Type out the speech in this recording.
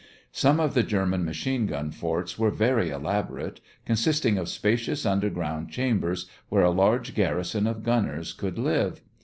Some of the German machine gun forts were very elaborate, consisting of spacious underground chambers where a large garrison of gunners could live.